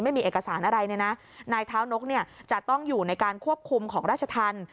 ไม่มีเอกสารอะไรนายเท้านกจะต้องอยู่ในการควบคุมของราชทัน